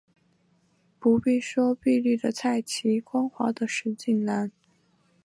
不必说碧绿的菜畦，光滑的石井栏